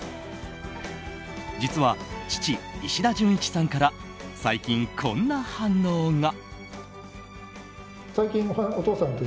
実は父・石田純一さんから最近、こんな反応が。